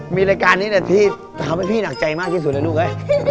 มีรายการนี้แน่ที่ทำให้พี่หนักใจมากที่สุดเลยลูกไง